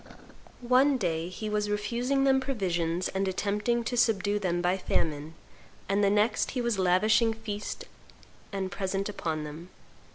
One day he was refusing them provisions and attempting to subdue them by famine; and the next he was lavishing feasts and presents upon them.